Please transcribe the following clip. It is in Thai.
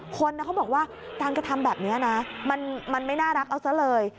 คนเขาบอกว่าการกระทำแบบนี้นะมันไม่น่ารักเอาซะเลย